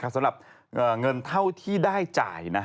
สำหรับเงินเท่าที่ได้จ่าย